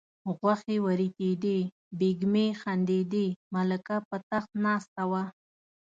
غوښې وریتېدې بیګمې خندېدې ملکه په تخت ناسته وه.